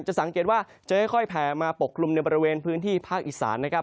สังเกตว่าจะค่อยแผ่มาปกกลุ่มในบริเวณพื้นที่ภาคอีสานนะครับ